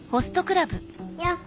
よっ。